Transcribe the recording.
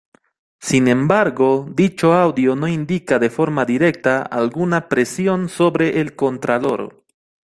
Sin embargo, dicho audio no indica de forma directa alguna presión sobre el contralor.